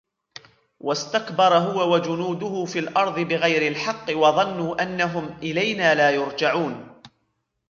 واستكبر هو وجنوده في الأرض بغير الحق وظنوا أنهم إلينا لا يرجعون